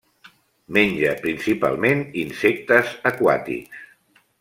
Menja principalment insectes aquàtics.